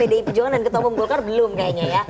pdi perjuangan dan ketua umum golkar belum kayaknya ya